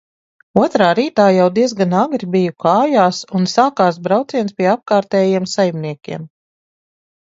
Otrā rītā jau diezgan agri biju kājās un sākās brauciens pie apkārtējiem saimniekiem.